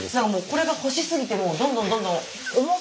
これが欲しすぎてもうどんどんどんどん。